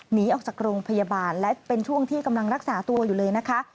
หนีออกจากโรงพยาบาลและเป็นช่วงที่กำลังรักษาตัวอยู่เลยนะคะ